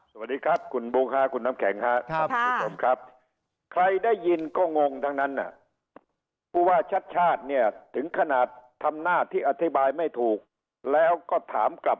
สวัสดีครับคุณโบ้งคุณน้ำแข็งขอบคุณทุกคนครับ